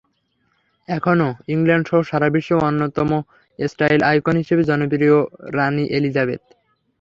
এখনো ইংল্যান্ডসহ সারা বিশ্বে অন্যতম স্টাইল আইকন হিসেবে জনপ্রিয় রানি এলিজাবেথ।